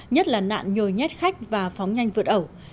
nhất là nạn nhồi nhét khách và phóng nhanh vượt ẩu